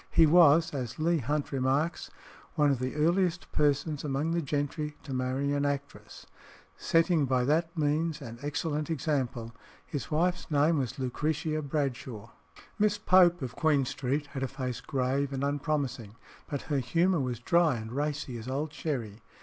He was, as Leigh Hunt remarks, one of "the earliest persons among the gentry to marry an actress," setting by that means an excellent example. His wife's name was Lucretia Bradshaw. Miss Pope, of Queen Street, had a face grave and unpromising, but her humour was dry and racy as old sherry.